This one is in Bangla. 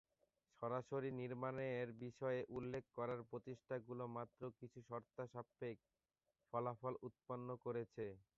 সরাসরি নির্মাণের বিষয়ে উল্লেখ করার প্রচেষ্টাগুলো মাত্র কিছু শর্তসাপেক্ষ ফলাফল উৎপন্ন করেছে।